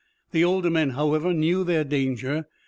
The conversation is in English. The older men, however, knew their danger.